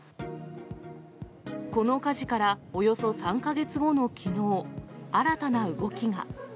この火事からおよそ３か月後のきのう、新たな動きが。